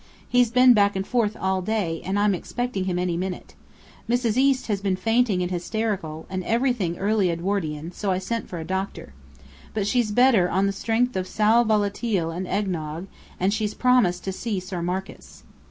He's been back and forth all day; and I'm expecting him any minute. Mrs. East has been fainting and hysterical, and everything early Edwardian, so I sent for a doctor. But she's better on the strength of sal volatile and eggnog, and she's promised to see Sir Marcus."